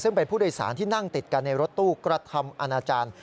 ซึ่งเป็นผู้โดยสารที่นั่งติดกันในรถตู้กระทำอาณาจารย์